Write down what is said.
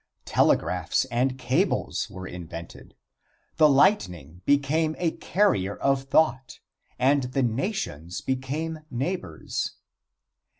Telegraphs and cables were invented. The lightning became a carrier of thought, and the nations became neighbors.